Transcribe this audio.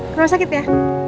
ke rumah sakit ya